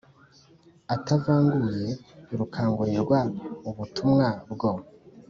atavanguye rukangurirwa ubutumwa bwo